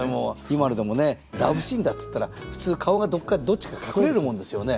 今のでもねラブシーンだっつったら普通顔がどっちか隠れるもんですよね。